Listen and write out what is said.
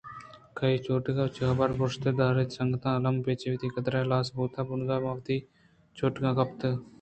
کُنری چوٹِک ءَ آئی ءِ حبر پرٛوشت ءُ درّائینت سنگت الّم تو چہ وتی قُدرتاں ہلاس بُوہان ءَ بُرز ءَ ماں منی چوٹکاں اتک ءُ کپت ءِ